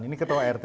ini ketua rt